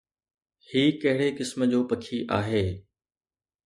هي ڪهڙي قسم جو پکي آهي؟